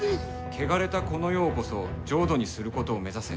「汚れたこの世をこそ浄土にすることを目指せ」。